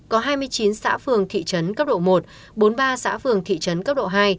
có hai mươi chín xã phường thị trấn cấp độ một bốn mươi ba xã phường thị trấn cấp độ hai